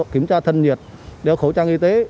kiểm tra thân nhiệt đeo khẩu trang y tế